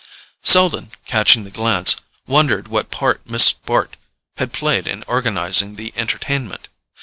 Selden, catching the glance, wondered what part Miss Bart had played in organizing the entertainment.